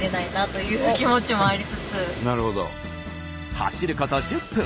走ること１０分。